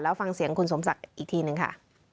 แล้วฟังเสียงคุณสมศักดิ์อีกทีนึงค่ะ